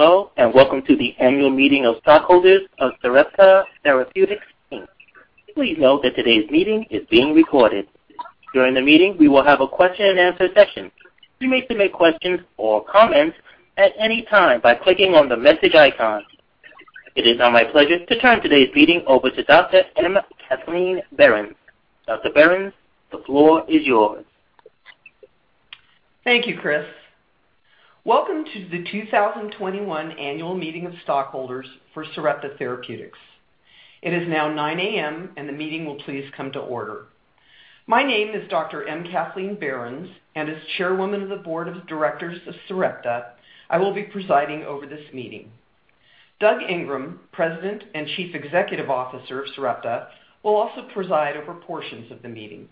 Hello, and welcome to the annual meeting of stockholders of Sarepta Therapeutics, Inc. Please note that today's meeting is being recorded. During the meeting, we will have a question and answer session. You may submit questions or comments at any time by clicking on the message icon. It is now my pleasure to turn today's meeting over to Dr. M. Kathleen Behrens. Dr. Behrens, the floor is yours. Thank you, Chris. Welcome to the 2021 Annual Meeting of Stockholders for Sarepta Therapeutics. It is now 9:00 A.M. The meeting will please come to order. My name is Dr. M. Kathleen Behrens. As Chairwoman of the Board of Directors of Sarepta, I will be presiding over this meeting. Doug Ingram, President and Chief Executive Officer of Sarepta, will also preside over portions of the meeting.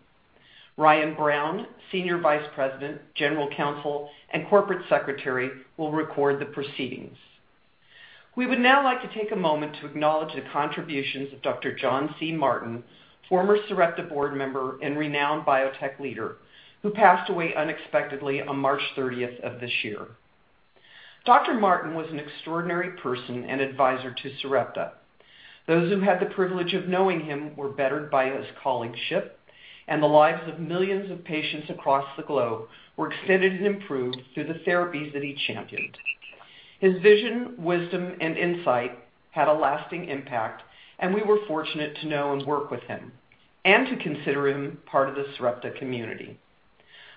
Ryan Brown, Senior Vice President, General Counsel, and Corporate Secretary, will record the proceedings. We would now like to take a moment to acknowledge the contributions of Dr. John C. Martin, former Sarepta Board Member and renowned biotech leader, who passed away unexpectedly on March 30th of this year. Dr. Martin was an extraordinary person and advisor to Sarepta. Those who had the privilege of knowing him were bettered by his colleagueship, and the lives of millions of patients across the globe were extended and improved through the therapies that he championed. His vision, wisdom, and insight had a lasting impact, and we were fortunate to know and work with him, and to consider him part of the Sarepta community.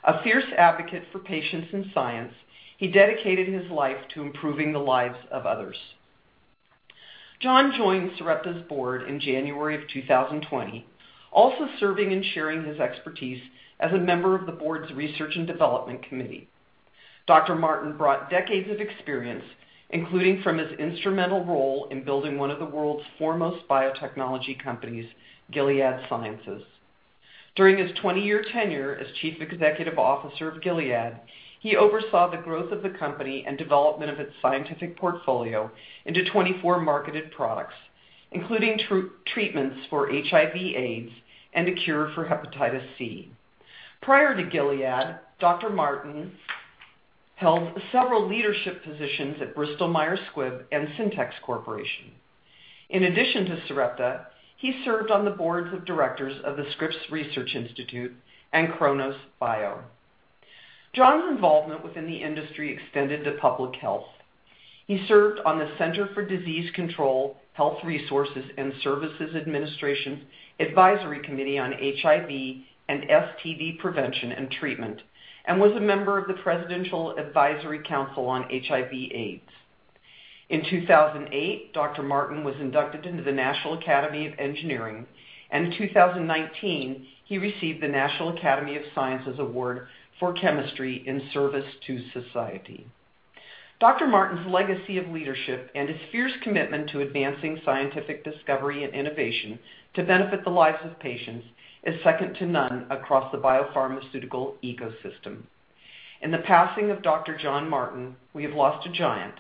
A fierce advocate for patients and science, he dedicated his life to improving the lives of others. John joined Sarepta's board in January of 2020, also serving and sharing his expertise as a member of the board's research and development committee. Dr. Martin brought decades of experience, including from his instrumental role in building one of the world's foremost biotechnology companies, Gilead Sciences. During his 20-year tenure as chief executive officer of Gilead Sciences, he oversaw the growth of the company and development of its scientific portfolio into 24 marketed products, including treatments for HIV/AIDS, and a cure for hepatitis C. Prior to Gilead Sciences, Dr. Martin held several leadership positions at Bristol Myers Squibb and Syntex Corporation. In addition to Sarepta Therapeutics, he served on the boards of directors of the Scripps Research Institute and Kronos Bio. John's involvement within the industry extended to public health. He served on the Centers for Disease Control and Prevention, Health Resources and Services Administration's Advisory Committee on HIV, Viral Hepatitis and STD Prevention and Treatment, and was a member of the Presidential Advisory Council on HIV/AIDS. In 2008, Dr. Martin was inducted into the National Academy of Engineering, and in 2019, he received the National Academy of Sciences Award for Chemistry in Service to Society. Dr. Martin's legacy of leadership and his fierce commitment to advancing scientific discovery and innovation to benefit the lives of patients is second to none across the biopharmaceutical ecosystem. In the passing of Dr. John C. Martin, we have lost a giant,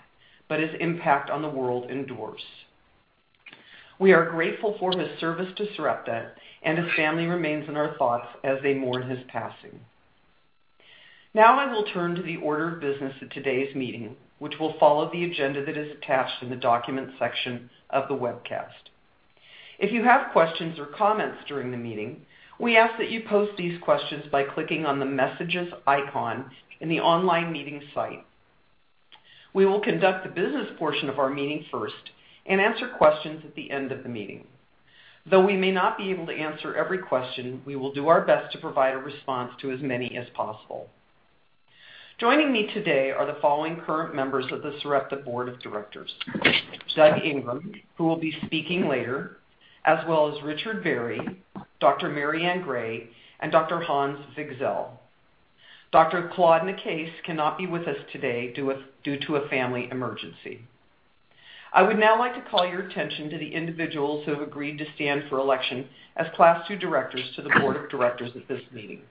but his impact on the world endures. We are grateful for his service to Sarepta, and his family remains in our thoughts as they mourn his passing. Now I will turn to the order of business of today's meeting, which will follow the agenda that is attached in the document section of the webcast. If you have questions or comments during the meeting, we ask that you post these questions by clicking on the messages icon in the online meeting site. We will conduct the business portion of our meeting first and answer questions at the end of the meeting. Though we may not be able to answer every question, we will do our best to provide a response to as many as possible. Joining me today are the following current members of the Sarepta Board of Directors, Doug Ingram, who will be speaking later, as well as Richard Barry, Dr. Mary Ann Gray, and Dr. Hans Wigzell. Dr. Claude Nicaise cannot be with us today due to a family emergency. I would now like to call your attention to the individuals who have agreed to stand for election as Class 2 directors to the board of directors at this meeting.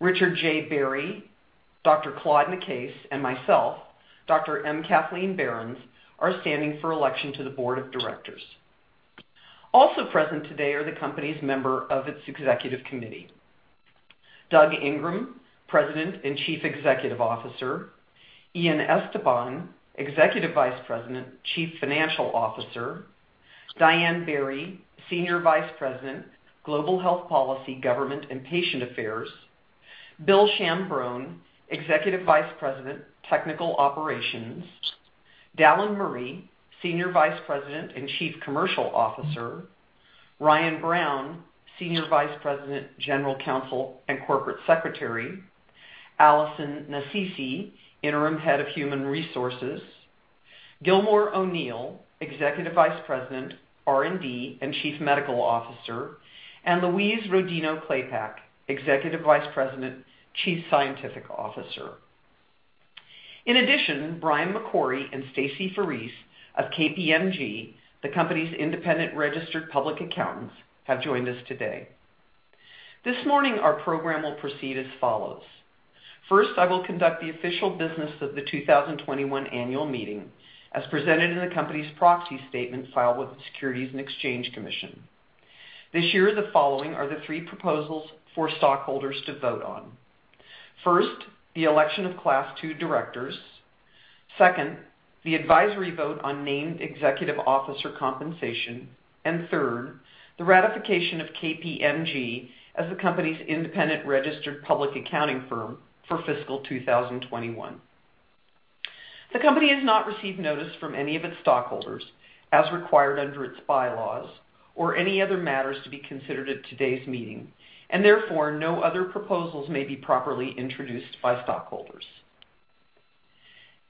Richard J. Barry, Dr. Claude Nicaise, and myself, Dr. M. Kathleen Behrens, are standing for election to the board of directors. Also present today are the company's member of its executive committee, Doug Ingram, President and Chief Executive Officer, Ian Estepan, Executive Vice President, Chief Financial Officer, Diane Berry, Senior Vice President, Global Health Policy, Government and Patient Affairs, William Ciambrone, Executive Vice President, Technical Operations, Dallan Murray, Senior Vice President and Chief Commercial Officer, Ryan Brown, Senior Vice President, General Counsel, and Corporate Secretary, Alison Nasisi, Interim Head of Human Resources, Gilmore O'Neill, Executive Vice President, R&D, and Chief Medical Officer, and Louise Rodino-Klapac, Executive Vice President, Chief Scientific Officer. In addition, Bryan McCorry and Stacey Farese of KPMG, the company's independent registered public accountants, have joined us today. This morning, our program will proceed as follows. First, I will conduct the official business of the 2021 annual meeting, as presented in the company's proxy statement filed with the Securities and Exchange Commission. This year, the following are the three proposals for stockholders to vote on. First, the election of Class 2 directors. Second, the advisory vote on named executive officer compensation. Third, the ratification of KPMG as the company's independent registered public accounting firm for fiscal 2021. The company has not received notice from any of its stockholders, as required under its bylaws, or any other matters to be considered at today's meeting. Therefore, no other proposals may be properly introduced by stockholders.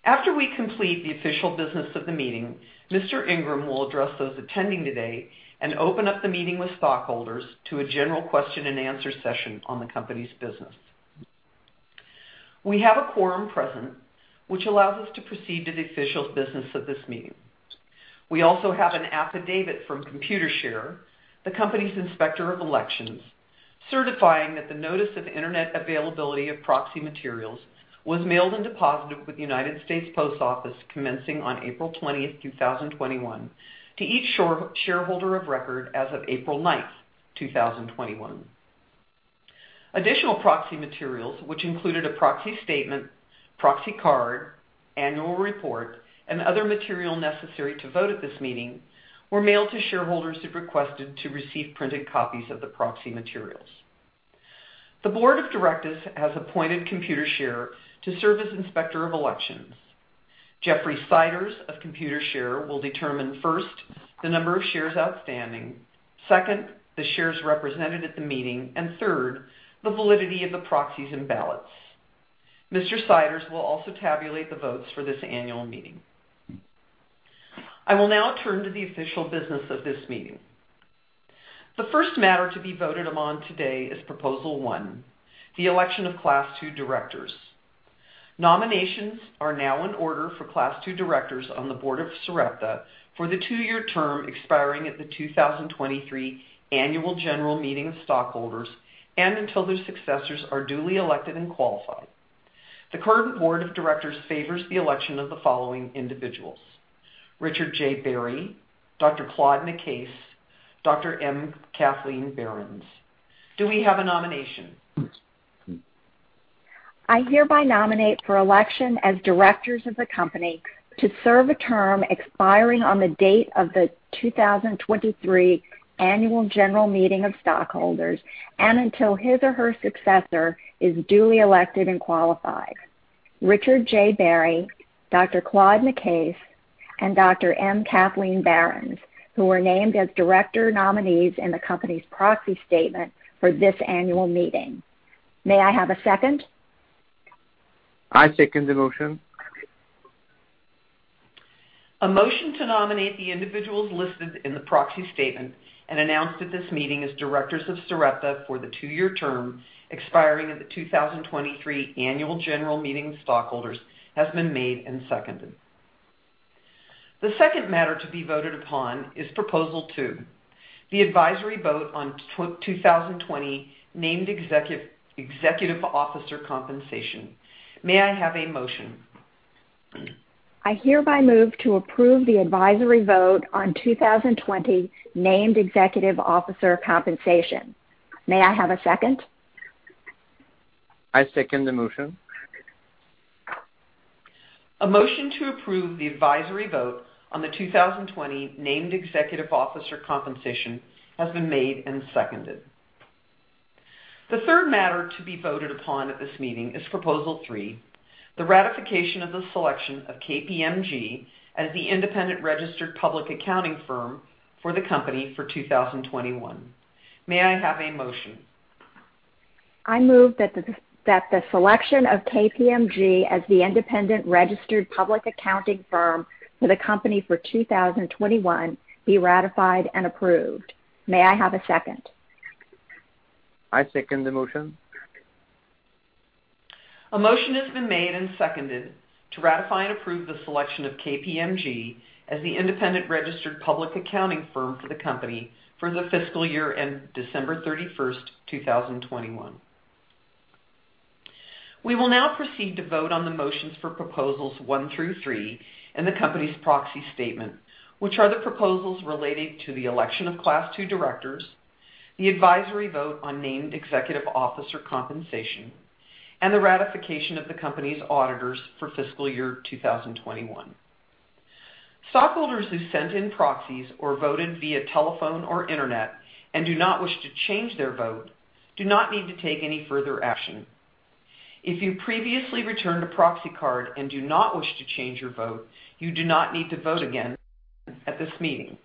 After we complete the official business of the meeting, Mr. Ingram will address those attending today and open up the meeting with stockholders to a general question and answer session on the company's business. We have a quorum present, which allows us to proceed to the official business of this meeting. We also have an affidavit from Computershare, the company's inspector of elections, certifying that the notice of internet availability of proxy materials was mailed and deposited with the United States Post Office commencing on April 20th, 2021 to each shareholder of record as of April 9th, 2021. Additional proxy materials, which included a proxy statement, proxy card, annual report, and other material necessary to vote at this meeting, were mailed to shareholders who requested to receive printed copies of the proxy materials. The board of directors has appointed Computershare to serve as inspector of elections. Jeffrey Siders of Computershare will determine, first, the number of shares outstanding, second, the shares represented at the meeting, and third, the validity of the proxies and ballots. Mr. Siders will also tabulate the votes for this annual meeting. I will now turn to the official business of this meeting. The first matter to be voted upon today is Proposal 1, the election of Class 2 directors. Nominations are now in order for Class 2 directors on the board of Sarepta for the two-year term expiring at the 2023 annual general meeting of stockholders and until their successors are duly elected and qualified. The current board of directors favors the election of the following individuals: Richard J. Barry, Dr. Claude Nicaise, Dr. M. Kathleen Behrens. Do we have a nomination? I hereby nominate for election as directors of the company to serve a term expiring on the date of the 2023 annual general meeting of stockholders and until his or her successor is duly elected and qualified. Richard J. Barry, Dr. Claude Nicaise, and Dr. M. Kathleen Behrens, who were named as director nominees in the company's proxy statement for this annual meeting. May I have a second? I second the motion. A motion to nominate the individuals listed in the proxy statement and announced at this meeting as directors of Sarepta for the two-year term expiring in the 2023 annual general meeting of stockholders has been made and seconded. The second matter to be voted upon is Proposal 2, the advisory vote on 2020 named executive officer compensation. May I have a motion? I hereby move to approve the advisory vote on 2020 named executive officer compensation. May I have a second? I second the motion. A motion to approve the advisory vote on the 2020 named executive officer compensation has been made and seconded. The third matter to be voted upon at this meeting is Proposal 3, the ratification of the selection of KPMG as the independent registered public accounting firm for the company for 2021. May I have a motion? I move that the selection of KPMG as the independent registered public accounting firm for the company for 2021 be ratified and approved. May I have a second? I second the motion. A motion has been made and seconded to ratify and approve the selection of KPMG as the independent registered public accounting firm for the company for the fiscal year end December 31st, 2021. We will now proceed to vote on the motions for Proposals 1, 2, 3 in the company's proxy statement, which are the proposals related to the election of Class 2 directors, the advisory vote on named executive officer compensation, and the ratification of the company's auditors for fiscal year 2021. Stockholders who sent in proxies or voted via telephone or internet and do not wish to change their vote do not need to take any further action. If you previously returned a proxy card and do not wish to change your vote, you do not need to vote again at this meeting.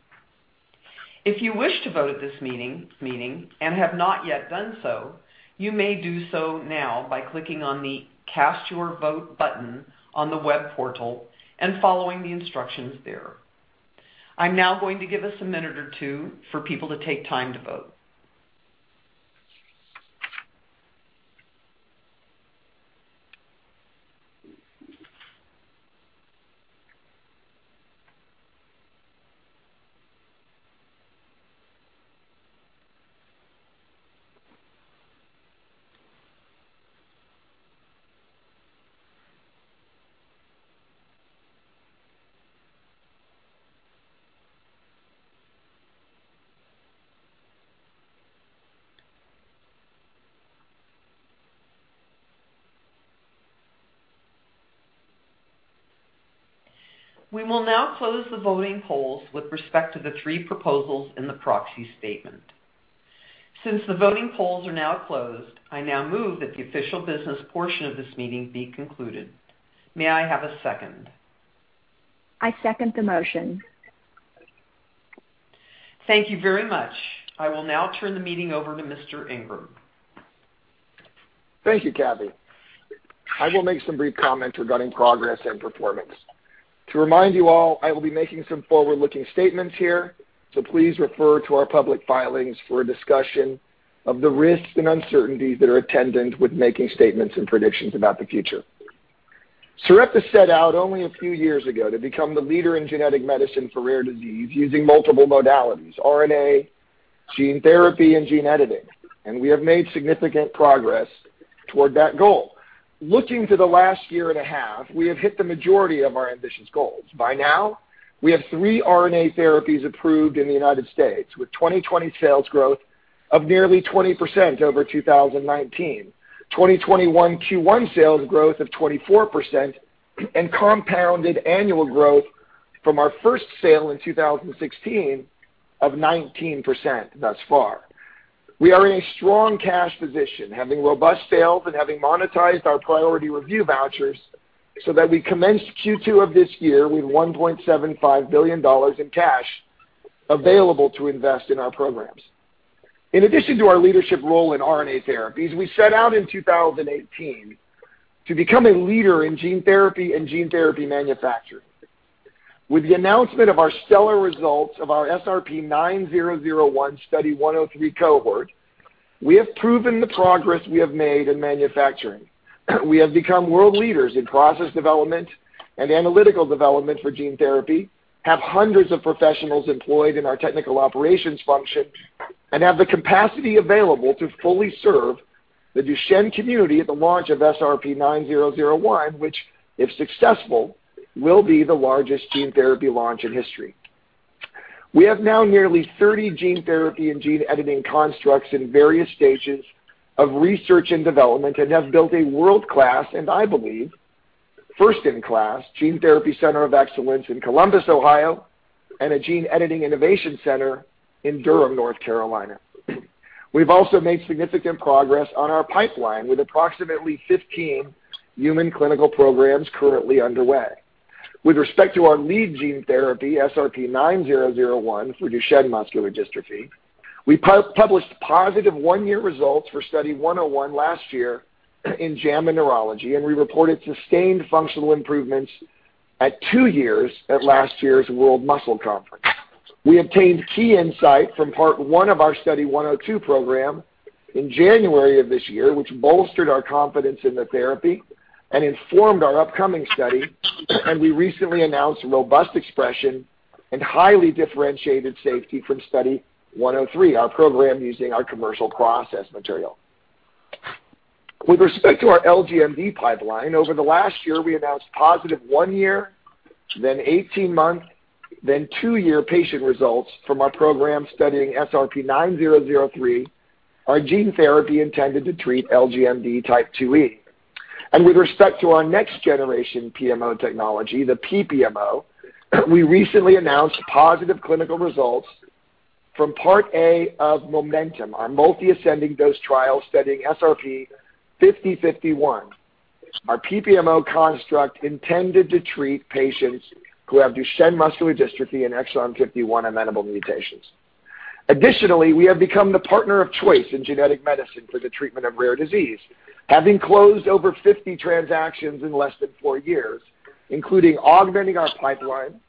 If you wish to vote at this meeting and have not yet done so, you may do so now by clicking on the Cast Your Vote button on the web portal and following the instructions there. I'm now going to give us a minute or two for people to take time to vote. We will now close the voting polls with respect to the three proposals in the proxy statement. Since the voting polls are now closed, I now move that the official business portion of this meeting be concluded. May I have a second? I second the motion. Thank you very much. I will now turn the meeting over to Mr. Ingram. Thank you, Kathy. I will make some brief comments regarding progress and performance. To remind you all, I will be making some forward-looking statements here, so please refer to our public filings for a discussion of the risks and uncertainties that are attendant with making statements and predictions about the future. Sarepta set out only a few years ago to become the leader in genetic medicine for rare disease using multiple modalities, RNA, gene therapy, and gene editing, and we have made significant progress toward that goal. Looking to the last year and a half, we have hit the majority of our ambitious goals. By now, we have three RNA therapies approved in the United States, with 2020 sales growth of nearly 20% over 2019, 2021 Q1 sales growth of 24%, and compounded annual growth from our first sale in 2016 of 19% thus far. We are in a strong cash position, having robust sales and having monetized our priority review vouchers so that we commenced Q2 of this year with $1.75 billion in cash available to invest in our programs. In addition to our leadership role in RNA therapies, we set out in 2018 to become a leader in gene therapy and gene therapy manufacturing. With the announcement of our stellar results of our SRP-9001 Study 103 cohort, we have proven the progress we have made in manufacturing. We have become world leaders in process development and analytical development for gene therapy, have hundreds of professionals employed in our technical operations function, and have the capacity available to fully serve the Duchenne community at the launch of SRP-9001, which, if successful, will be the largest gene therapy launch in history. We have now nearly 30 gene therapy and gene editing constructs in various stages of research and development and have built a world-class, and I believe, first-in-class Gene Therapy Center of Excellence in Columbus, Ohio, and a Gene Editing Innovation Center in Durham, North Carolina. We've also made significant progress on our pipeline, with approximately 15 human clinical programs currently underway. With respect to our lead gene therapy, SRP-9001 for Duchenne muscular dystrophy, we published positive one-year results for Study 101 last year in "JAMA Neurology," and we reported sustained functional improvements at two years at last year's World Muscle Society Congress. We obtained key insight from part one of our Study 102 program in January of this year, which bolstered our confidence in the therapy and informed our upcoming study, and we recently announced robust expression and highly differentiated safety from Study 103, our program using our commercial process material. With respect to our LGMD pipeline, over the last year, we announced positive one-year, then 18-month, then two-year patient results from our program studying SRP-9003, our gene therapy intended to treat LGMD type 2E. With respect to our next-generation PMO technology, the PPMO, we recently announced positive clinical results from part A of MOMENTUM, our multi-ascending dose trial studying SRP-5051, our PPMO construct intended to treat patients who have Duchenne muscular dystrophy and exon 51 amenable mutations. Additionally, we have become the partner of choice in genetic medicine for the treatment of rare disease, having closed over 50 transactions in less than four years, including augmenting our pipeline,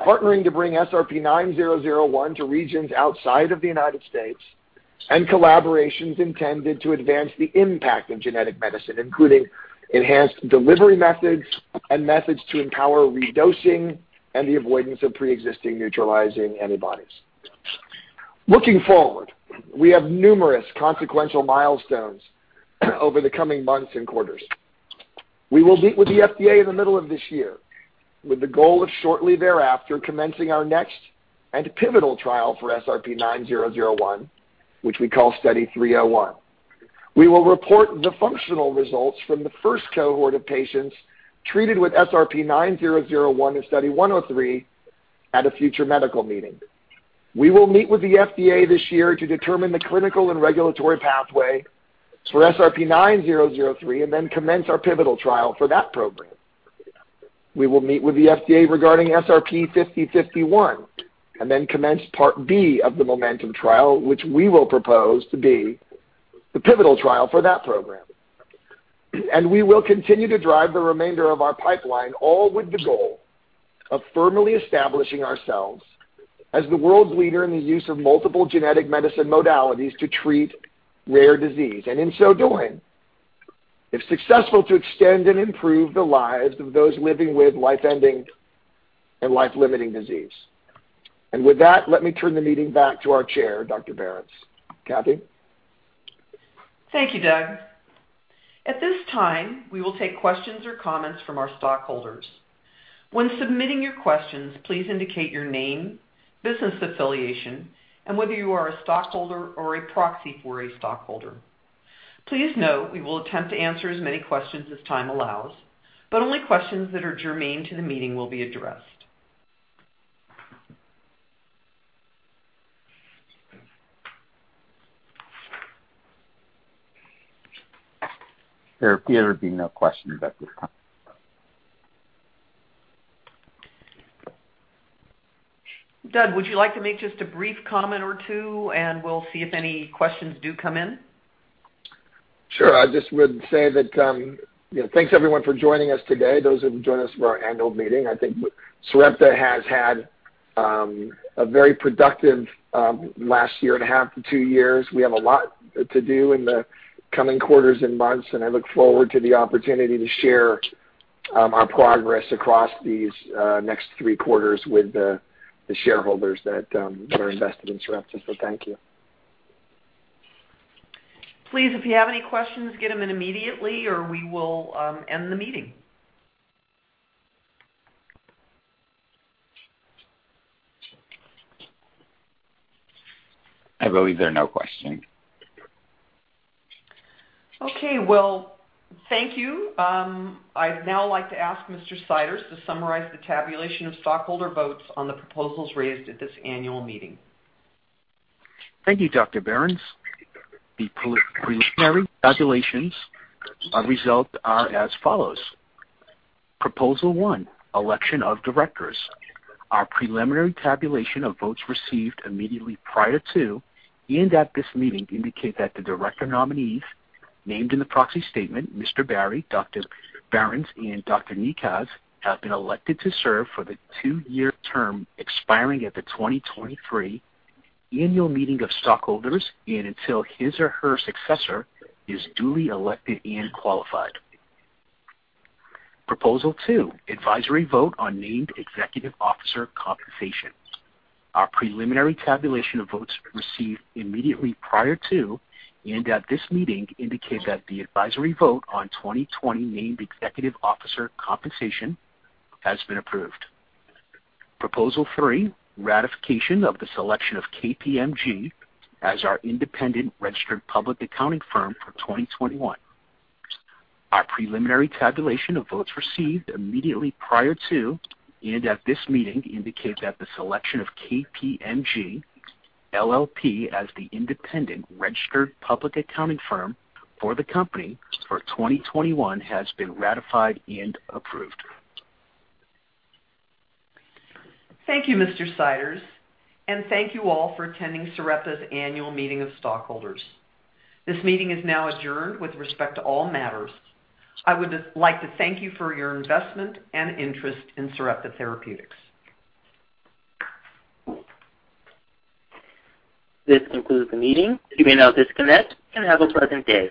partnering to bring SRP-9001 to regions outside of the U.S., and collaborations intended to advance the impact of genetic medicine, including enhanced delivery methods and methods to empower redosing and the avoidance of pre-existing neutralizing antibodies. Looking forward, we have numerous consequential milestones over the coming months and quarters. We will meet with the FDA in the middle of this year with the goal of shortly thereafter commencing our next and pivotal trial for SRP-9001, which we call Study 301. We will report the functional results from the first cohort of patients treated with SRP-9001 in Study 103 at a future medical meeting. We will meet with the FDA this year to determine the clinical and regulatory pathway for SRP-9003 and then commence our pivotal trial for that program. We will meet with the FDA regarding SRP-5051 and then commence part B of the MOMENTUM trial, which we will propose to be the pivotal trial for that program. We will continue to drive the remainder of our pipeline, all with the goal of firmly establishing ourselves as the world's leader in the use of multiple genetic medicine modalities to treat rare disease, and in so doing, if successful, to extend and improve the lives of those living with life-ending and life-limiting disease. With that, let me turn the meeting back to our chair, Dr. Behrens. Kathy? Thank you, Doug. At this time, we will take questions or comments from our stockholders. When submitting your questions, please indicate your name, business affiliation, and whether you are a stockholder or a proxy for a stockholder. Please note we will attempt to answer as many questions as time allows, but only questions that are germane to the meeting will be addressed. There appear to be no questions at this time. Doug, would you like to make just a brief comment or two and we'll see if any questions do come in? Sure. I just would say thanks everyone for joining us today, those who have joined us for our annual meeting. I think Sarepta has had a very productive last year and a half to two years. We have a lot to do in the coming quarters and months, and I look forward to the opportunity to share our progress across these next three quarters with the shareholders that are invested in Sarepta. Thank you. Please, if you have any questions, get them in immediately or we will end the meeting. I believe there are no questions. Okay. Well, thank you. I'd now like to ask Mr. Siders to summarize the tabulation of stockholder votes on the proposals raised at this annual meeting. Thank you, Dr. Behrens. The preliminary tabulations results are as follows. Proposal 1, election of directors. Our preliminary tabulation of votes received immediately prior to and at this meeting indicate that the director nominees named in the proxy statement, Mr. Barry, Dr. Behrens, and Dr. Nicaise, have been elected to serve for the two-year term expiring at the 2023 annual meeting of stockholders and until his or her successor is duly elected and qualified. Proposal 2, advisory vote on named executive officer compensation. Our preliminary tabulation of votes received immediately prior to and at this meeting indicates that the advisory vote on 2020 named executive officer compensation has been approved. Proposal 3, ratification of the selection of KPMG as our independent registered public accounting firm for 2021. Our preliminary tabulation of votes received immediately prior to and at this meeting indicates that the selection of KPMG LLP as the independent registered public accounting firm for the company for 2021 has been ratified and approved. Thank you, Mr. Siders, and thank you all for attending Sarepta's annual meeting of stockholders. This meeting is now adjourned with respect to all matters. I would like to thank you for your investment and interest in Sarepta Therapeutics. This concludes the meeting. You may now disconnect and have a pleasant day.